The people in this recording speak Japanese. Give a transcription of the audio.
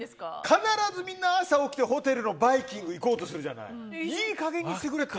必ずみんな朝起きてホテルのバイキング行こうとするじゃない。